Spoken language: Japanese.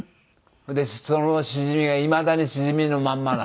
でそのしじみがいまだにしじみのまんま。